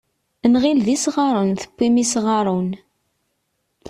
Nɣil d isɣaren tewwim isɣaren.